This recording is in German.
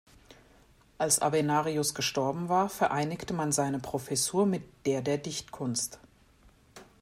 Als Avenarius gestorben war, vereinigte man seine Professur mit der der Dichtkunst.